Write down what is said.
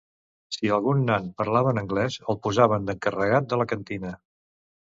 Si algun nan parlava en anglès el posaven d'encarregat de la cantina.